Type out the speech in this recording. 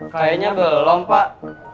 kayanya belum pak